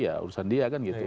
ya urusan dia kan gitu